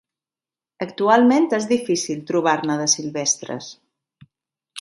Actualment és difícil trobar-ne de silvestres.